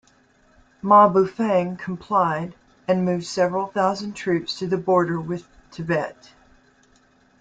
Ma Bufang complied, and moved several thousand troops to the border with Tibet.